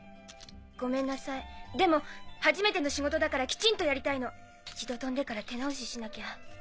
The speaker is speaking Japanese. ごめんなさいでも初めての仕事だからきちんとやりたいの一度飛んでから手直ししなきゃ。